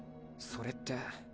それって。